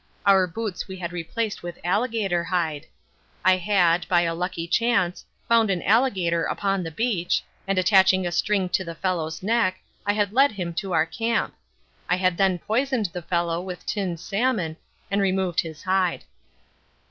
Our boots we had replaced with alligator hide. I had, by a lucky chance, found an alligator upon the beach, and attaching a string to the fellow's neck I had led him to our camp. I had then poisoned the fellow with tinned salmon and removed his hide.